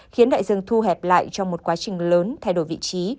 khiến đại dương thu hẹp lại trong một quá trình lớn thay đổi vị trí